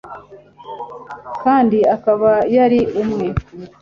kandi akaba yari umwe